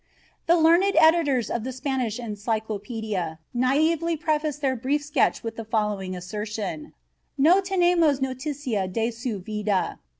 The learned editors of the Spanish encyclopedia naively preface their brief sketch with the following assertion: "no tenemos noticias de su vida."